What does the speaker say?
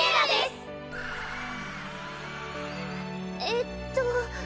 えっと。